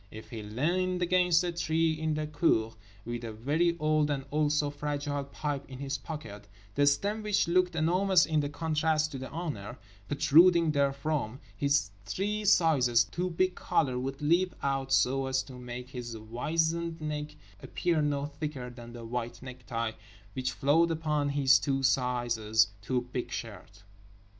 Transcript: If he leaned against a tree in the cour, with a very old and also fragile pipe in his pocket—the stem (which looked enormous in contrast to the owner) protruding therefrom—his three sizes too big collar would leap out so as to make his wizened neck appear no thicker than the white necktie which flowed upon his two sizes too big shirt.